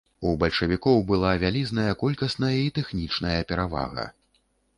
У бальшавікоў была вялізная колькасная і тэхнічная перавага.